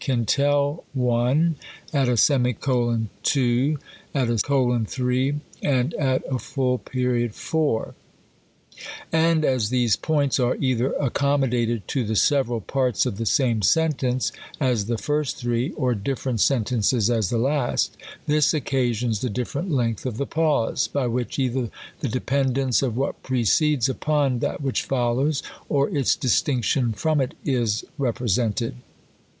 can tell one, at a semicolon two, at a colon three, aiid at a full period four. And as these points are either accommodated to the several parts of the same sen tence, as the first three; or different sentences, as the last ; this occasions the different length of the pause, by which either the dependence of what precedes upon that which follows, or its distinction from it is repre sented.